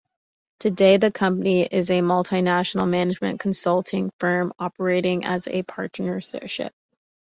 Today the company is a multi-national management consulting firm operating as a partnership.